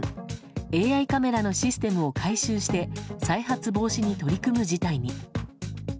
ＡＩカメラのシステムを改修して再発防止に取り組む事態に。